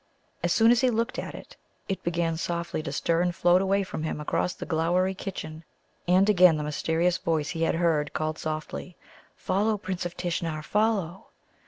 As soon as he looked at it it began softly to stir and float away from him across the glowery kitchen. And again the mysterious voice he had heard called softly: "Follow, Prince of Tishnar, follow!"